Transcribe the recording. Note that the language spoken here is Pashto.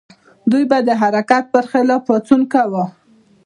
دوی به د حکومت پر خلاف پاڅون کاوه.